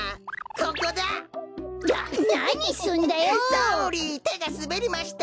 ソーリーてがすべりました。